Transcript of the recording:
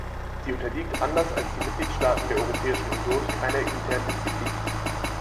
Sie unterliegt anders als die Mitgliedstaaten der Europäischen Union keiner internen Disziplin.